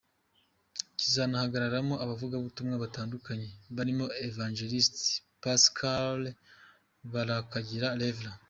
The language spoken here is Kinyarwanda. Kizanagaragaramo abavugabutumwa batandukanye barimo Evangeliste Pascal Barakagira, Rev.